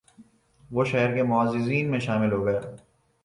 وہ شہر کے معززین میں شامل ہو گیا